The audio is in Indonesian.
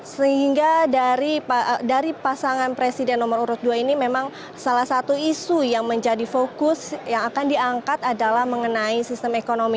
sehingga dari pasangan presiden nomor urut dua ini memang salah satu isu yang menjadi fokus yang akan diangkat adalah mengenai sistem ekonomi